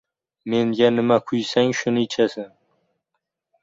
• Meshga nima quysang, shuni ichasan.